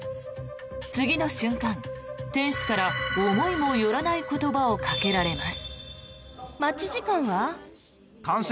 次の瞬間、店主から思いもよらない言葉をかけられます。